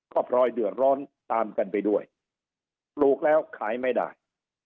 ก็พลอยเดือดร้อนตามกันไปด้วยปลูกแล้วขายไม่ได้